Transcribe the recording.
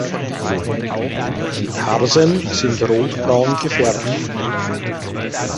Die Tarsen sind rotbraun gefärbt.